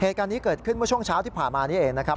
เหตุการณ์นี้เกิดขึ้นเมื่อช่วงเช้าที่ผ่านมานี้เองนะครับ